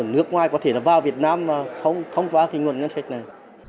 nước ngoài có thể là vào việt nam mà thông qua cái nguồn ngân sách này